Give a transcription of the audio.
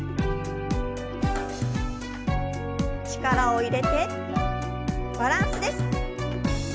力を入れてバランスです。